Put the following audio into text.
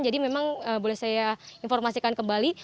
jadi memang boleh saya informasikan kembali